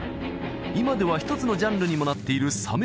今では一つのジャンルにもなっているサメ